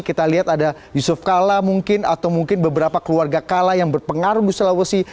kita lihat ada yusuf kalla mungkin atau mungkin beberapa keluarga kala yang berpengaruh di sulawesi